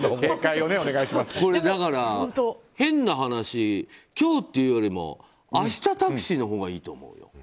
だから、変な話今日というよりも明日タクシーのほうがいいと思うよ。